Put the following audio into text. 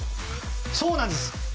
そうなんです！